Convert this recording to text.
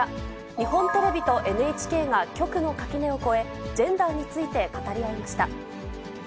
日本テレビとＮＨＫが局の垣根を越え、ジェンダーについて語り合いました。